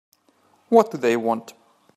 What do they want?